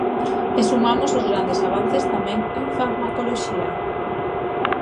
E sumamos os grandes avances tamén en farmacoloxía.